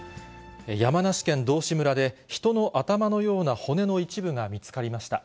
山梨県道志村で、人の頭のような骨の一部が見つかりました。